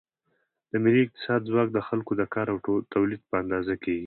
د ملي اقتصاد ځواک د خلکو د کار او تولید په اندازه کېږي.